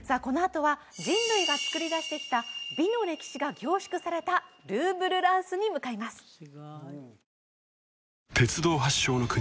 このあとは人類がつくりだしてきた美の歴史が凝縮されたルーブルランスに向かいます